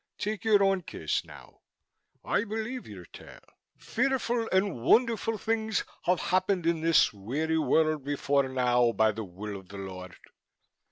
Take your own case now. I believe your tale. Fearful and wonderful things have happened in this weary world, before now, by the will of the Lord.